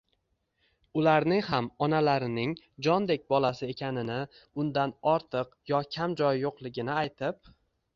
ularning ham onalarining jondek bolasi ekanini, undan ortiq, yo kam joyi yo'qligini aytib